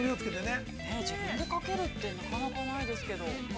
◆自分でかけるって、なかなかないですけど。